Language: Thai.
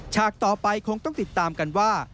ต่อไปคงต้องติดตามกันว่า